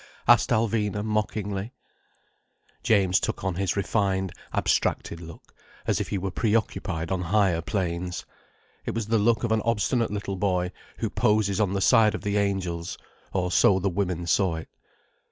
asked Alvina mockingly. James took on his refined, abstracted look, as if he were preoccupied on higher planes. It was the look of an obstinate little boy who poses on the side of the angels—or so the women saw it.